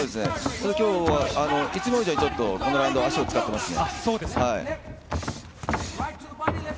今日はいつもよりはこのラウンド、足を使ってますね。